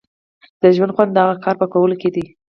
د ژوند خوند د هغه کار په کولو کې دی.